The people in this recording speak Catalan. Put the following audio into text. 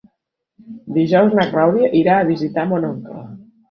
Dijous na Clàudia irà a visitar mon oncle.